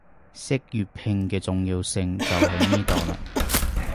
識粵拼嘅重要性就喺呢度喇